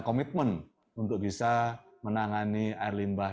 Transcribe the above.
komitmen untuk bisa menangani air limbah